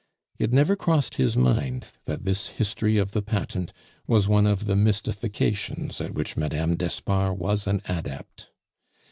It never crossed his mind that this history of the patent was one of the mystifications at which Mme. d'Espard was an adept.